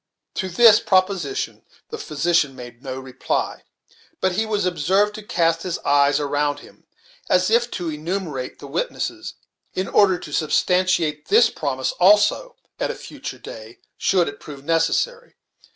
To this proposition the physician made no reply; but he was observed to cast his eyes around him, as if to enumerate the witnesses, in order to substantiate this promise also, at a future day, should it prove necessary.